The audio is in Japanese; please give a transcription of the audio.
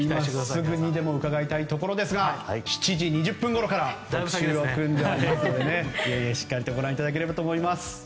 今すぐにでも伺いたいところですが７時２０分ごろから特集を組んでおりますのでしっかりご覧いただければと思います。